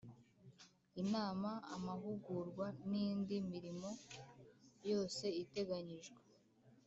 Inama amahugurwa nindi mirimo yose iteganyijwe